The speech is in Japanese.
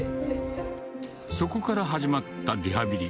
そこから始まったリハビリ。